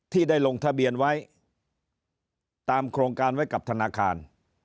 ที่ได้ลงทะเบียนไว้ตามโครงการไว้กับธนาคาร